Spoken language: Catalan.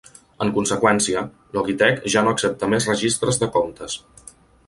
En conseqüència, Logitech ja no accepta més registres de comptes.